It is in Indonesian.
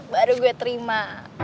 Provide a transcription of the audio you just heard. baru gue terima